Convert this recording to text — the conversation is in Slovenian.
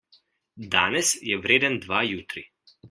Danes je vreden dva jutri.